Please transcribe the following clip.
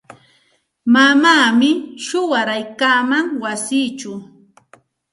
Mamaami shuwaraykaaman wasichaw.